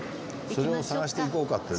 それを探していこうかって。